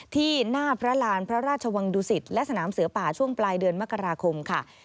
ที่หน้าพระราณพระราชวังดุสิตและสนามเสือป่าช่วงปลายเดือนมกราคมค่ะ